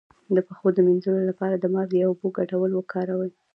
د پښو د مینځلو لپاره د مالګې او اوبو ګډول وکاروئ